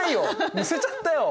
むせちゃったよ。